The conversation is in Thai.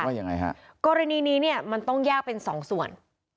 ว่ายังไงฮะกรณีนี้เนี่ยมันต้องแยกเป็นสองส่วน